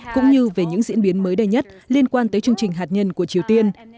cũng như về những diễn biến mới đây nhất liên quan tới chương trình hạt nhân của triều tiên